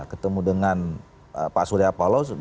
ketemu dengan pak surya paloh